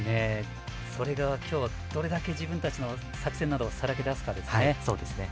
今日どれだけ自分たちの作戦などをさらけ出すかですね。